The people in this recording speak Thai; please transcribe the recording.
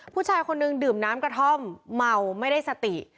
ผู้ชายคนนึงดื่มน้ำกระท่อมเมาไม่ได้สติ